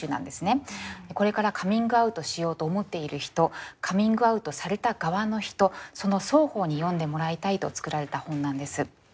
これからカミングアウトしようと思っている人カミングアウトされた側の人その双方に読んでもらいたいと作られた本なんです。